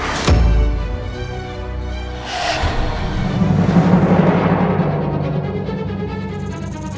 aku mau ke rumah